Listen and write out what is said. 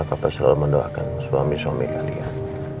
bapak selalu mendoakan suami suami kalian